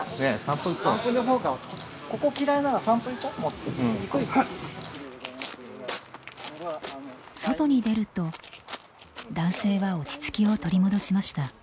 ここ嫌いなら外に出ると男性は落ち着きを取り戻しました。